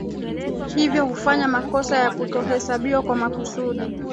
Hivyo hufanya makosa ya kutohesabiwa kwa makusudi